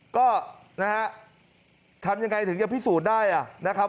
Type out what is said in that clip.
ก็นะฮะทำยังไงถึงจะพิสูจน์ได้นะครับ